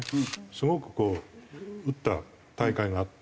すごくこう打った大会があって。